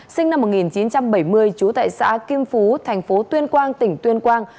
sinh năm một nghìn chín trăm bảy mươi chú tại xã kim phú thành phố tuyên quang tỉnh tuyên quang